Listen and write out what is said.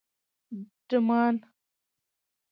_ډمان